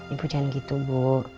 ibu jangan gitu bu